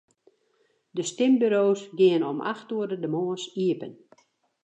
De stimburo's geane om acht oere de moarns iepen.